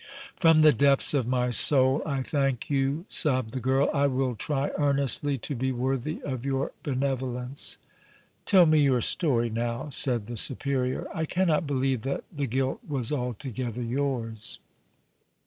"From the depths of my soul I thank you!" sobbed the girl. "I will try earnestly to be worthy of your benevolence!" "Tell me your story now," said the Superior. "I cannot believe that the guilt was altogether yours."